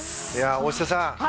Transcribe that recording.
大下さん